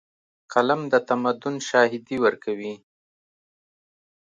قلم د تمدن شاهدي ورکوي.